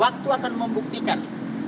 waktu akan membuktikan